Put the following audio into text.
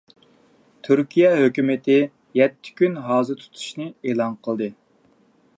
تۈركىيە ھۆكۈمىتى يەتتە كۈن ھازا تۇتۇشنى ئېلان قىلدى.